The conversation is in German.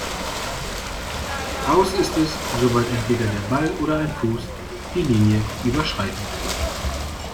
Aus ist es, sobald entweder der Ball oder ein Fuß die Linie überschreiten.